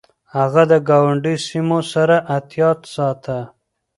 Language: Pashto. هغه د ګاونډي سيمو سره احتياط ساته.